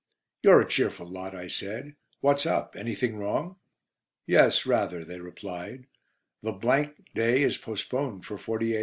"You're a cheerful lot," I said. "What's up? Anything wrong?" "Yes, rather," they replied, "the day is postponed for forty eight hours."